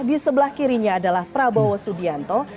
di sebelah kirinya adalah prabowo subianto